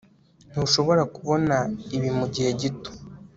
ntushobora kubona ibi mu gihe gito